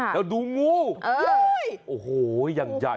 แล้วดูงูโอ้โหยังไย